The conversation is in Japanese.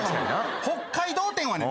北海道展はね